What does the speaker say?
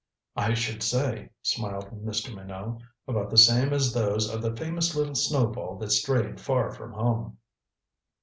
"I should say," smiled Mr. Minot, "about the same as those of the famous little snowball that strayed far from home."